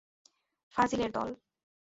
ফাজিলের দল!